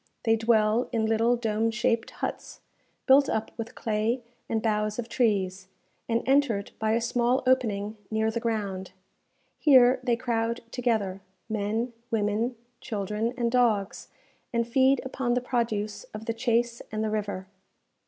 They dwell in little dome shaped huts, built up with clay and boughs of trees, and entered by a small opening near the ground. Here they crowd together, men, women, children, and dogs, and feed upon the produce of the chase and the river.